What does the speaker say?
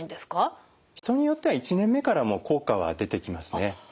人によっては１年目からも効果は出てきますね。